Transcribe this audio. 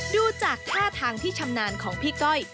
ดูจากท่าทางที่ชำนาญของพี่ก้อย